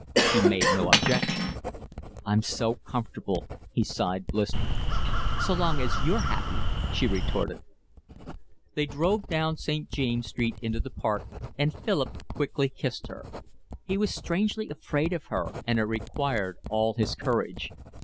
She made no objection. "I'm so comfortable," he sighed blissfully. "So long as you're happy," she retorted. They drove down St. James' Street into the Park, and Philip quickly kissed her. He was strangely afraid of her, and it required all his courage.